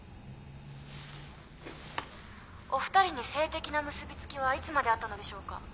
お二人に性的な結び付きはいつまであったのでしょうか？